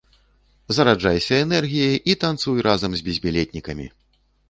Зараджайся энергіяй і танцуй разам з безбілетнікамі!